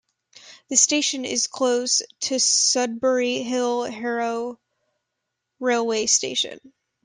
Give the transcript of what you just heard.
The station is close to Sudbury Hill Harrow railway station.